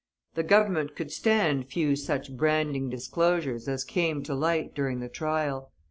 The Government could stand few such branding disclosures as came to light during the trial.